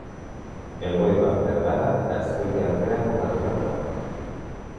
Elgoibar, Bergara eta Azkoitia artean kokatutakoa.